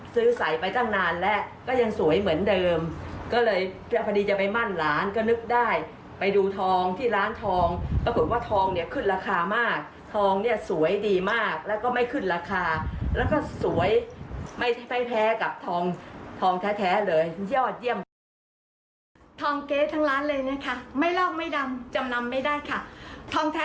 ที่ราคานั้นค่ะบาทนึงสามหมื่นกว่าแต่เราบาทละสามร้อยเองนะคะ